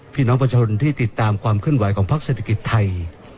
พี่น้องประชาชนที่ติดตามความเคลื่อนไหวของพักเศรษฐกิจไทย